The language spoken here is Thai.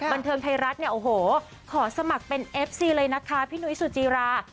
บันเทิมไทยรัฐขอสมัครเป็นเอฟซีเลยนะคะพี่หนุ๊ยสุจีรา